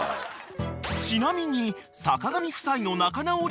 ［ちなみに］